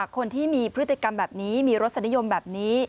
คนที่มีพฤติกรรมแบบนี้มีรสนิยมแบบนี้